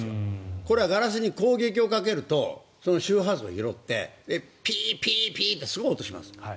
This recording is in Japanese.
これはガラスに攻撃をかけると周波数を拾ってピーピーってすごい音がします。